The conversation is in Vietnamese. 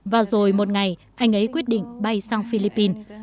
và rồi một ngày anh ấy quyết định bay sang philippines